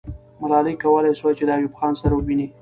ملالۍ کولای سوای چې د ایوب خان سره وویني.